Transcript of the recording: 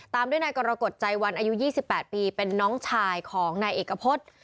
ตามด้วยนายกรกฎใจวันอายุ๒๘ปีเป็นน้องชายของนายเอกพฤษ